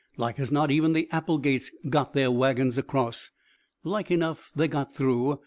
Like as not even the Applegates got their wagons across. Like enough they got through.